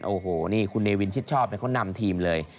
โอ้โหนี่คุณเนวินชิดชอบเขานำทีมเลย